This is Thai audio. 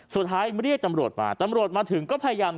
เรียกตำรวจมาตำรวจมาถึงก็พยายาม